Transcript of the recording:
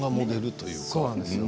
そうなんですね。